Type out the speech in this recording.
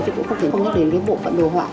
thì cũng không thể không nhắc đến cái bộ phận đồ họa